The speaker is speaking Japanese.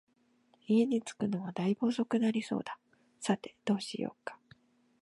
家に着くのは大分遅くなりそうだ、さて、どうしようか